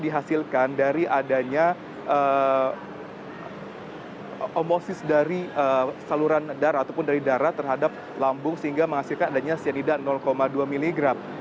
dihasilkan dari adanya omosis dari saluran darah ataupun dari darah terhadap lambung sehingga menghasilkan adanya cyanida dua miligram